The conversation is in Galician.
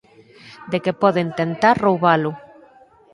De que poden tentar roubalo.